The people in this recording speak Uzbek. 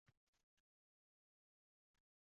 Bu “dekompressiya” deyiladi.